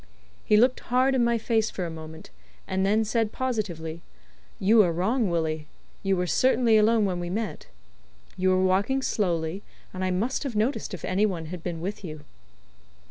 He looked hard in my face for a moment, and then said positively: "You are wrong, Willie. You were certainly alone when we met. You were walking slowly, and I must have noticed if any one had been with you."